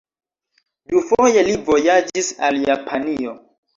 Dufoje li vojaĝis al Japanio.